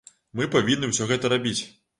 Мы павінны ўсё гэта рабіць.